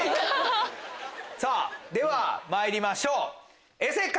ではまいりましょう。